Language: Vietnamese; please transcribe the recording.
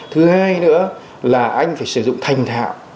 thứ hai nữa là anh phải sử dụng thành thạo